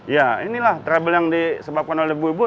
ya inilah trouble yang disebabkan oleh ibu ibu